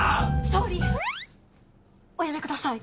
総理おやめください。